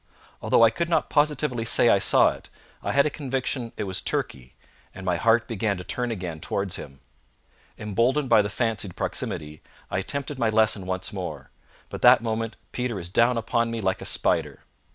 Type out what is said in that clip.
Although I could not positively say I saw it, I had a conviction it was Turkey, and my heart began to turn again towards him. Emboldened by the fancied proximity, I attempted my lesson once more, but that moment Peter was down upon me like a spider.